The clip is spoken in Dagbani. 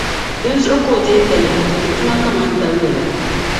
Dinzuɣu ka o deei talahi n-tumdi tuma kaman dabili la.